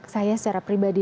saya secara pribadi